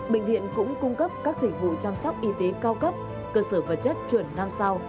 bệnh viện cũng cung cấp các dịch vụ chăm sóc y tế cao cấp cơ sở vật chất chuẩn năm sao